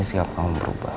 sikap kamu berubah